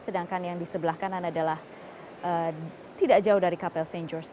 sedangkan yang di sebelah kanan adalah tidak jauh dari kapel st george